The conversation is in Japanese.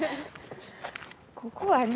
ここはね